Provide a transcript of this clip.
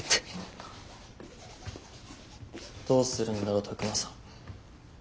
どうするんだろ拓真さん。